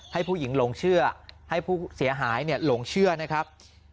ให้ผู้หญิงหลงเชื่อให้ผู้เสียหายหลงเชื่อนะครับ